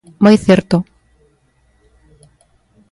Moi certo.